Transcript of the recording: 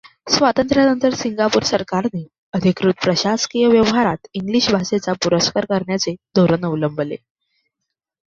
स्वातंत्र्यानंतर सिंगापूर सरकाराने अधिकृत प्रशासकीय व्यवहारात इंग्लिश भाषेचा पुरस्कार करण्याचे धोरण अवलंबले.